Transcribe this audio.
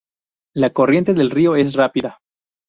La corriente del río es rápida.